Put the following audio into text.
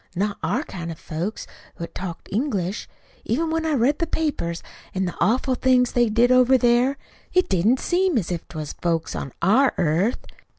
Not our kind of folks what talked English. Even when I read the papers, an' the awful things they did over there it didn't seem as if 't was folks on our earth.